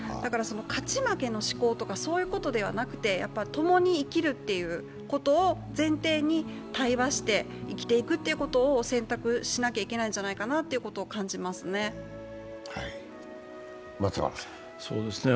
勝ち負けの志向とかいうことではなくて共に生きるということを前提に対話して生きていくということを選択しなきゃいけないんじゃないかということを感じますね。